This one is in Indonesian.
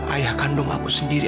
ayah kandung aku sendiri